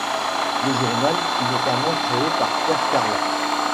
Le journal fut notamment créé par Pierre Carles.